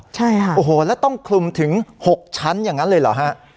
ใช่ค่ะโอ้โหแล้วต้องคลุมถึง๖ชั้นอย่างนั้นเลยเหรอฮะ